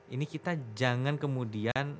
ini kita jangan kemudian